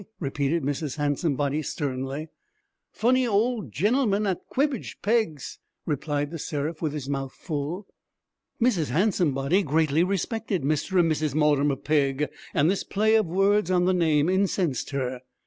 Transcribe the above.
repeated Mrs. Handsomebody, sternly. 'Funny ole gennelman at the Cwibbage Peggs',' replied The Seraph with his mouth full. Mrs. Handsomebody greatly respected Mr. and Mrs. Mortimer Pegg, and this play of words on the name incensed her.